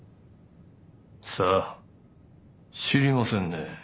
さあ知りませんね。